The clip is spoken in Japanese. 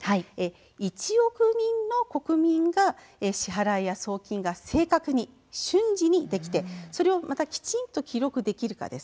１億人の国民が支払いや送金が正確に瞬時にできてそれをきちんと記録できるかです。